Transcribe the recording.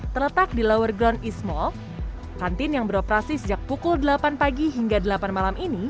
terletak di lower ground east mall kantin yang beroperasi sejak pukul delapan pagi hingga delapan malam ini